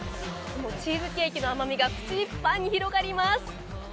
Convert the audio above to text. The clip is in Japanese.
チーズケーキの甘みが口いっぱいに広がります。